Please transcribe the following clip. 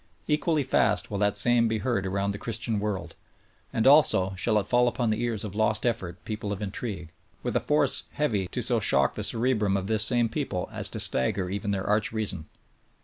Equally fast Vv ill that same be heard around the Christian world ; and, also, shall it fall upon the ears of lost effort people of intrigue, with a force heavy to so shock the cerebrum of this same people as to stagger even their arch reason!